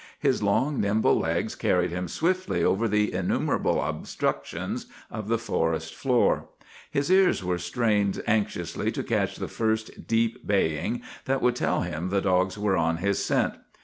His long, nimble legs carried him swiftly over the innumerable obstructions of the forest floor. "His ears were strained anxiously to catch the first deep baying that would tell him the dogs were on his scent.